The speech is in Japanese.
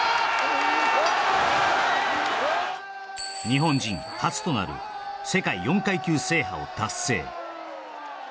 日本人初となる世界４階級制覇を達成